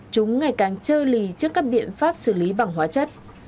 chúng ngày càng chơi lì trước các biện pháp xử lý bằng hóa chất